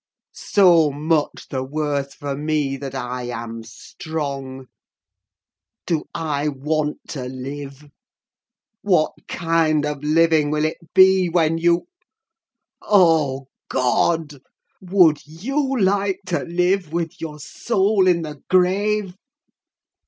So much the worse for me that I am strong. Do I want to live? What kind of living will it be when you—oh, God! would you like to live with your soul in the grave?"